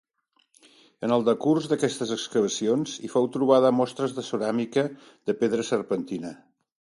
En el decurs d'aquestes excavacions hi fou trobada mostres de ceràmica de pedra serpentina.